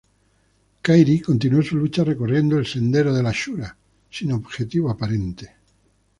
Kairi continuó su lucha recorriendo el "sendero de la Shura" sin objetivo aparente.